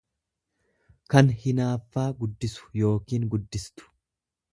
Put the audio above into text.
kan hinaaffaa guddisu yookiin guddistu.